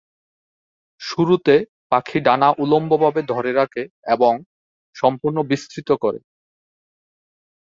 শুরুতে পাখি ডানা উল্লম্বভাবে ধরে রাখে এবং সম্পূর্ণ বিস্তৃত করে।